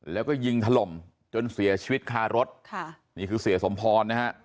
แล้วก็ยิงถล่มจนเสียชีวิตคารถค่ะนี่คือเสียสมพรนะฮะ